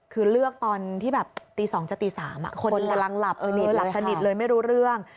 คือเลือกตอนที่แบบตี๒จากตี๓คนหลับสนิทเลยไม่รู้เรื่อง